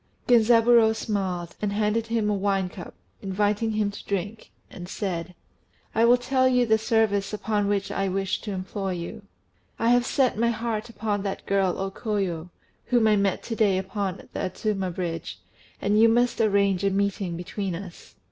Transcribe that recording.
Genzaburô smiled, and handed him a wine cup, inviting him to drink, and said "I will tell you the service upon which I wish to employ you. I have set my heart upon that girl O Koyo, whom I met to day upon the Adzuma Bridge, and you must arrange a meeting between us."